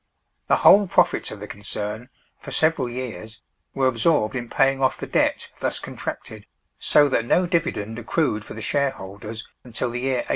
The whole profits of the concern, for several years, were absorbed in paying off the debt thus contracted, so that no dividend accrued for the shareholders until the year 1813.